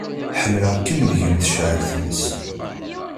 Ḥemmleɣ-kem deg-m tecɛel tmes.